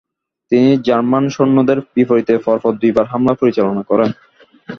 তিনি জার্মান সৈন্যদের বিপরীতে পর পর দুইবার হামলা পরিচালনা করেন।